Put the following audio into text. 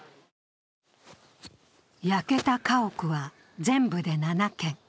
焼けた家屋は全部で７軒。